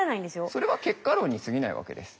それは結果論にすぎないわけです。